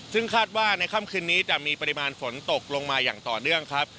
ซึ่งคาดว่าในค่ำคืนนี้จะมีปริมาณฝนตกลงมาอย่างต่อเนื่องครับ